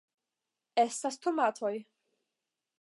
... estas tomatoj